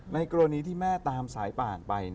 กรณีที่แม่ตามสายป่านไป